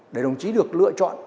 để đồng chí được lựa chọn